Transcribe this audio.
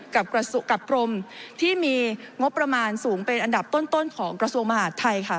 กับกรมที่มีงบประมาณสูงเป็นอันดับต้นของกระทรวงมหาดไทยค่ะ